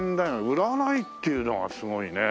売らないっていうのがすごいね。